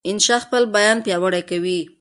انشا خپل بیان نه پیاوړی کوي.